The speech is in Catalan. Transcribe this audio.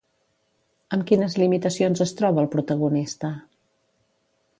Amb quines limitacions es troba el protagonista?